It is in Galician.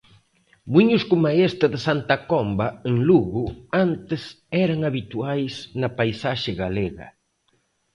Muíños coma este de Santa Comba, en Lugo, antes eran habituais na paisaxe galega.